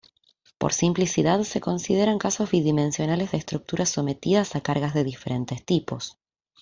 Por simplicidad se consideran casos bidimensionales de estructuras sometidas a cargas de diferentes tipos.